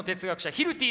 ヒルティ？